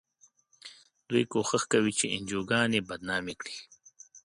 دوی کوښښ کوي چې انجوګانې بدنامې کړي.